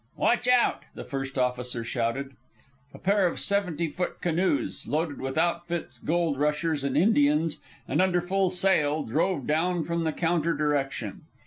"Watch out!" the first officer shouted. A pair of seventy foot canoes, loaded with outfits, gold rushers, and Indians, and under full sail, drove down from the counter direction.